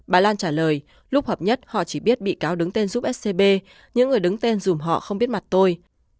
bà lan trả lời lúc hợp nhất họ chỉ biết bị cáo đứng tên giúp scb những người đứng tên dùm họ không biết mặt tôi